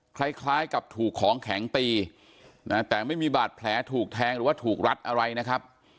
คล้ายกับถูกของแข็งตีนะแต่ไม่มีบาดแผลถูกแทงหรือว่าถูกรัดอะไรนะครับ